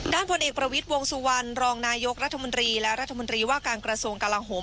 ผลเอกประวิทย์วงสุวรรณรองนายกรัฐมนตรีและรัฐมนตรีว่าการกระทรวงกลาโหม